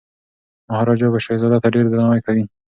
مهاراجا به شهزاده ته ډیر درناوی کوي.